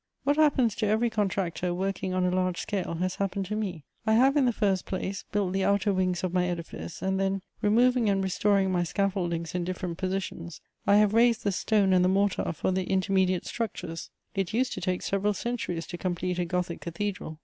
* What happens to every contractor working on a large scale has happened to me: I have, in the first place, built the outer wings of my edifice, and then, removing and restoring my scaffoldings in different positions, I have raised the stone and the mortar for the intermediate structures: it used to take several centuries to complete a Gothic cathedral.